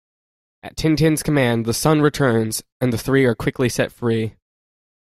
At Tintin's command, the Sun returns, and the three are quickly set free.